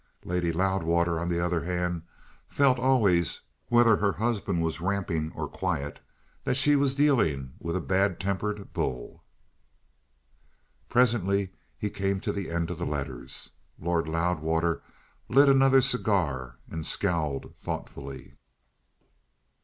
Lady Loudwater, on the other hand, felt always, whether her husband was ramping or quiet, that she was dealing with a bad tempered bull. Presently they came to the end of the letters. Lord Loudwater lit another cigar, and scowled thoughtfully.